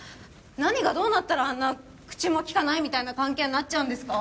何がどうなったらあんな口もきかないみたいな関係になっちゃうんですか？